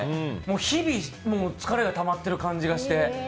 日々疲れがたまっている感じがして。